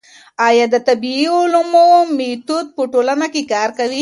ايا د طبيعي علومو ميتود په ټولنه کي کار کوي؟